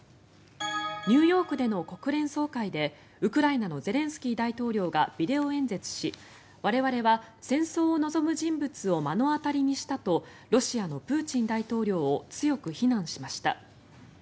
ニューヨークでの国連総会でウクライナのゼレンスキー大統領がビデオ演説し我々は戦争を望む人物を目の当たりにしたとロシアのプーチン大統領を強く非難しました。